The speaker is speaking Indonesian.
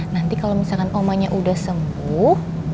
nanti kalau misalkan omanya udah sembuh